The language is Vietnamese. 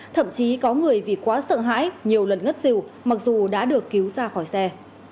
thậm chí có người vì quá sợ hãi nhiều lần ngất xỉu mặc dù đã được cứu ra khỏi xe